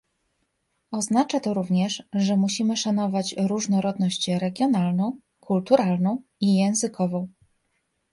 Oznacza to również, że musimy szanować różnorodność regionalną, kulturalną i językową